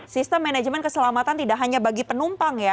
sistem manajemen keselamatan tidak hanya bagi penumpang ya